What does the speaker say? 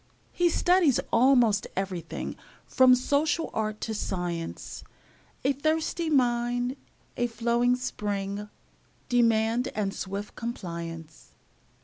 He studies almost everything From social art to science; A thirsty mind, a flowing spring, Demand and swift compliance.